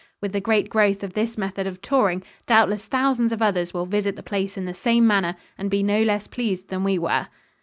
With the great growth of this method of touring, doubtless thousands of others will visit the place in the same manner, and be no less pleased than we were.